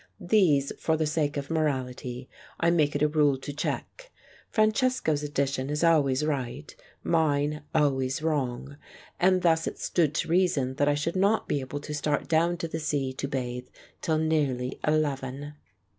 These, for the sake of morality, I make it a rule to check (Francesco's addition is always right, mine always wrong), and thus it stood to reason 74 The Dance on the Beefsteak that I should not be able to start down to the sea to bathe till nearly eleven.